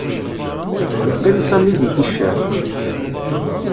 Yeqqim Sami deg ticcert